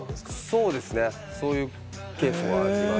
そうですね、そういうケースもあります。